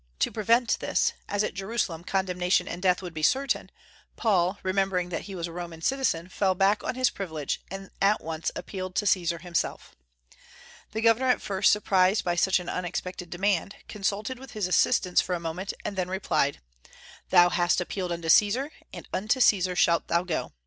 To prevent this, as at Jerusalem condemnation and death would be certain, Paul, remembering that he was a Roman citizen, fell back on his privilege, and at once appealed to Caesar himself. The governor, at first surprised by such an unexpected demand, consulted with his assistants for a moment, and then replied: "Thou hast appealed unto Caesar, and unto Caesar shalt thou go."